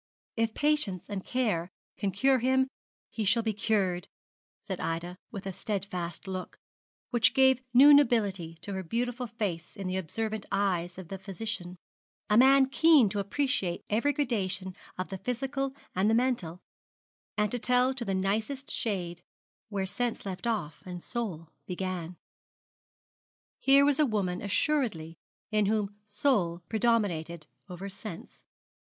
'If patience and care can cure him, he shall be cured,' said Ida, with a steadfast look, which gave new nobility to her beautiful face in the observant eyes of the physician a man keen to appreciate every gradation of the physical and the mental, and to tell to the nicest shade where sense left off and soul began. Here was a woman assuredly in whom soul predominated over sense.